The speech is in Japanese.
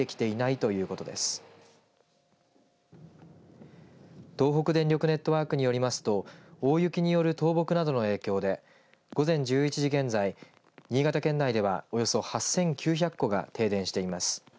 東北電力ネットワークによりますと大雪による倒木などの影響で午前１１時現在新潟県内ではおよそ８９００戸が停電しています。